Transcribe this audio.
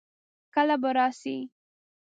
کله به راسې؟